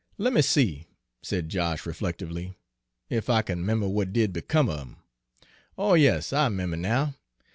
"Lemme see," said Josh reflectively, "ef I kin 'member w'at did become er him! Oh, yes, I 'member now!